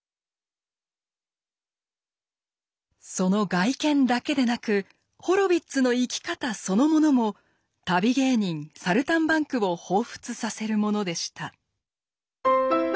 その外見だけでなくホロヴィッツの生き方そのものも旅芸人サルタンバンクを彷彿させるものでした。